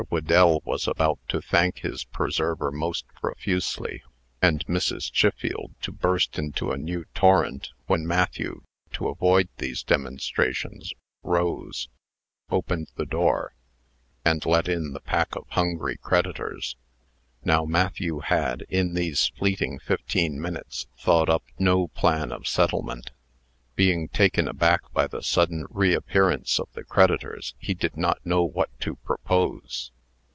Whedell was about to thank his preserver most profusely, and Mrs. Chiffield to burst into a new torrent, when Matthew, to avoid these demonstrations, rose, opened the door, and let in the pack of hungry creditors. Now Matthew had, in these fleeting fifteen minutes, thought up no plan of settlement. Being taken aback by the sudden reappearance of the creditors, he did not know what to propose.